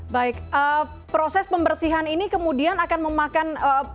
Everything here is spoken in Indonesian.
baik proses pembersihan ini kemudian akan memakan